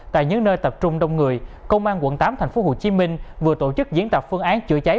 tại những nơi tập trung đông người công an quận tám tp hcm vừa tổ chức diễn tập phương án chữa cháy